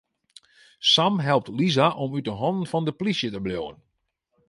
Sam helpt Lisa om út 'e hannen fan de plysje te bliuwen.